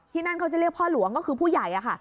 นั่นเขาจะเรียกพ่อหลวงก็คือผู้ใหญ่ค่ะ